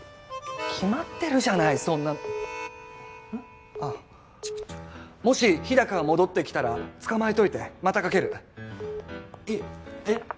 決まってるじゃないそんなのもし日高が戻ってきたら捕まえといてまたかけるえっ？